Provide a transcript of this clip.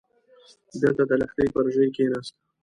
بېرته د لښتي پر ژۍ کېناست.